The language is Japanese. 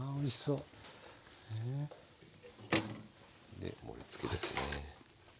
で盛りつけですね。